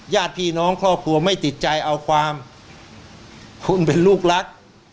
ญาติพี่น้องครอบครัวไม่ติดใจเอาความคุณเป็นลูกรัก